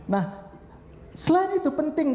nah selain itu penting